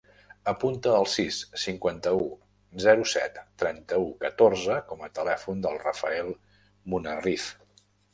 Apunta el sis, cinquanta-u, zero, set, trenta-u, catorze com a telèfon del Rafael Munarriz.